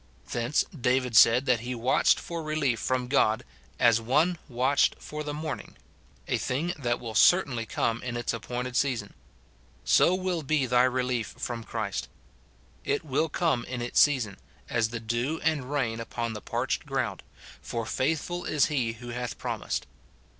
Thence David said that he watched for relief from God " as one watched for the raoi ning,"* — a thing that will certainly come in its appointed season. So will be thy relief from Christ. It will come in its season, as the dew and rain upon the parched ground ; for faithful is he who hath promised.